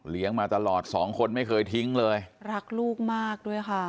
มาตลอดสองคนไม่เคยทิ้งเลยรักลูกมากด้วยค่ะ